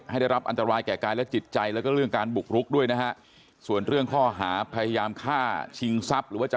หลานสาว๑๕ปีของคุณย่าจะไปข่มขือหรือเปล่า